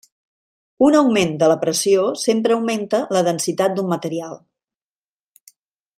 Un augment de la pressió sempre augmenta la densitat d'un material.